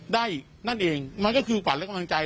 ได้นั่นเองมันก็คือขวัญและกำลังใจ